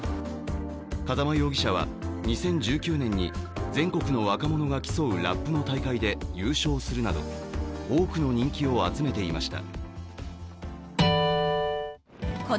風間容疑者は２０１９年に全国の若者が集うラップの大会で優勝するなど多くの人気を集めていました。